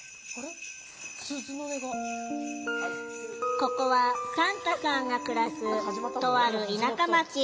ここはサンタさんが暮らすとある田舎町。